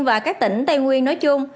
và các tỉnh tây nguyên nói chung